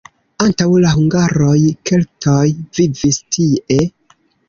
Antaŭ la hungaroj keltoj vivis tie.